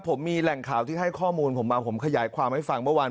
ผมมีแหล่งข่าวที่ให้ข้อมูลผมมาผมขยายความให้ฟังเมื่อวาน